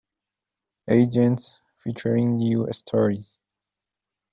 Agents, featuring new stories.